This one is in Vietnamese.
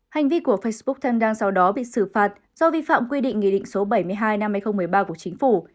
hành vi của facebook thân đăng sau đó bị xử phạt do vi phạm quy định nghị định số bảy mươi hai năm hai nghìn một mươi ba của chính phủ